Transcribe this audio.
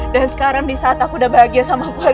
dan sekarang disaat aku udah bahagia sama keluarga saya